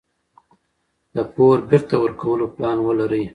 د پور بیرته ورکولو پلان ولرئ.